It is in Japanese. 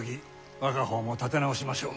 我が方も立て直しましょう。